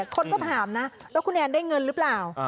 คนก็ถามนะแล้วคุณแอนได้เงินหรือเปล่า